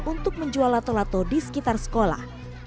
untuk menjual lato lato di sekitar sekolah